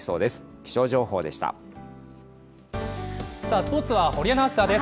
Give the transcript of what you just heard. スポーツは堀アナウンサーです。